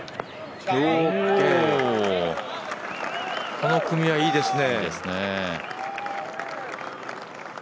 この組はいいですね。